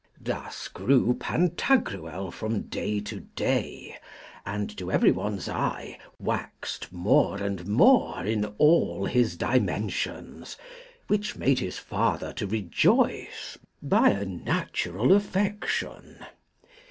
Thus grew Pantagruel from day to day, and to everyone's eye waxed more and more in all his dimensions, which made his father to rejoice by a natural affection.